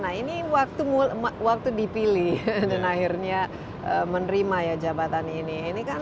nah ini waktu dipilih dan akhirnya menerima ya jabatan ini